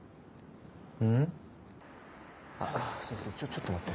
ちょっと待って。